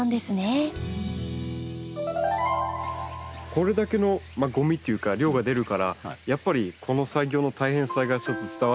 これだけのごみっていうか量が出るからやっぱりこの作業の大変さが伝わってきますねやってて。